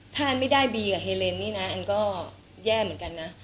ถ้าอันไม่ได้บีกับเฮเลนนี่นะอันก็แย่เหมือนกันนะ